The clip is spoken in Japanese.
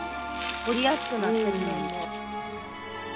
掘りやすくなってる年々。